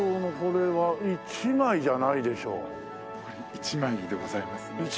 １枚でございますね。